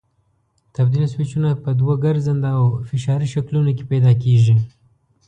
تبدیل سویچونه په دوو ګرځنده او فشاري شکلونو کې پیدا کېږي.